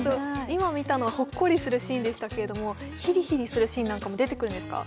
今見たのはほっこりするシーンでしたけれどもヒリヒリするシーンなんかも出てくるんですか？